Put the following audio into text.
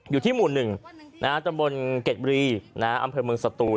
อยู่ที่หมุนหนึ่งนะจำบลเกดบรีอำเภอเมืองสตูน